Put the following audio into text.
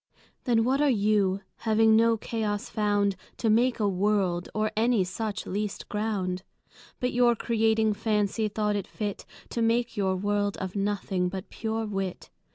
Then what are You, having no Chaos found To make a World, or any such least ground? But your Creating Fancy, thought it fit To make your World of Nothing, but pure Wit.